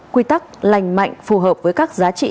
quy tắc lành mạnh phù hợp với các giá trị